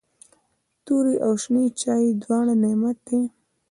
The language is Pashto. توري او شنې چايي دواړه نعمت دی.